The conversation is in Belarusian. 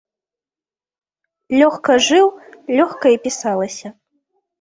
Лёгка жыў, лёгка і пісалася.